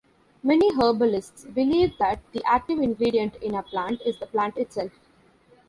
Many herbalists believe that the active ingredient in a plant is the plant itself.